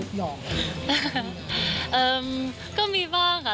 ชอบโมโหใส่คุณนิกเลยนะครับ